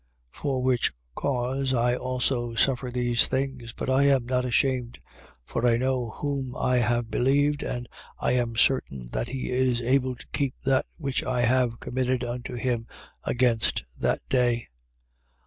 1:12. For which cause, I also suffer these things: but I am not ashamed. For I know whom I have believed and I am certain that he is able to keep that which I have committed unto him, against that day.